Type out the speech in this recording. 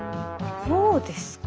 そうですか。